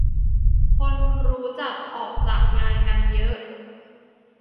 คนรู้จักออกจากงานกันเยอะ